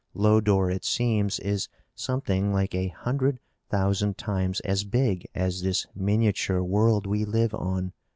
Lodore it seems, is something like a hundred thousand times as big as this miniature world we live on.